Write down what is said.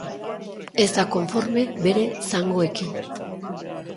Ez da konforme bere zangoekin.